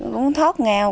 cũng thoát nghèo